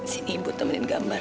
sini ibu temenin gambar